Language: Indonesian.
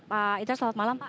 pak intra selamat malam